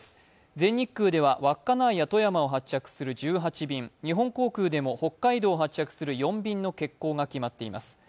全日空では稚内や富山を発着する１８便、日本航空でも北海道を発着する４便の欠航が続いています。